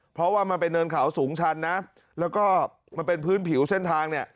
เพราะว่ามันเป็นเนินเขาสูงชันนะแล้วก็มันเป็นพื้นผิวเส้นทางเนี่ย